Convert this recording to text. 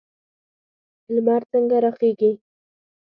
لمر څنګه راخیږي؟